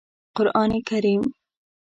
قرآن کریم